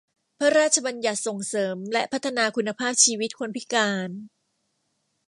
พระราชบัญญัติส่งเสริมและพัฒนาคุณภาพชีวิตคนพิการ